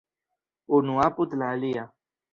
Unu apud la alia.